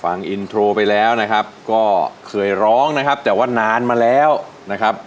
ฟังอินโทรไปแล้วนะครับก็เคยร้องนะครับแต่ว่านานมาแล้วนะครับ